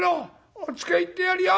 おっつけ行ってやるよ。